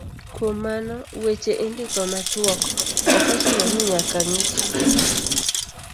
Kuom mano, weche indiko machuok, ok ochuno ni nyaka ng'i chike